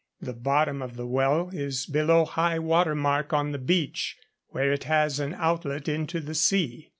The bottom of the well is below high water mark on the beach, where it has an outlet into the sea.